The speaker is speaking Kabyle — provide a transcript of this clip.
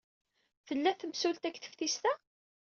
Tella temsulta deg teftist-a?